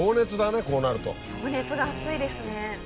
情熱が熱いですね。